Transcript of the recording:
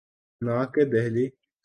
نہ کہ دہلی۔